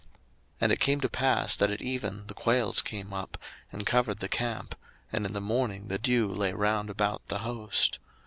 02:016:013 And it came to pass, that at even the quails came up, and covered the camp: and in the morning the dew lay round about the host.